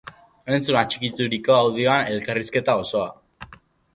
Entzun atxikituriko audioan elkarriuzketa osoa!